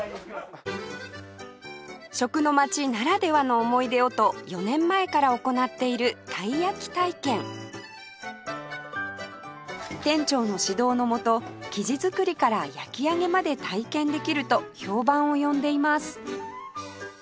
食の街ならではの思い出をと４年前から行っているたい焼き体験店長の指導の下生地作りから焼き上げまで体験できると評判を呼んでいます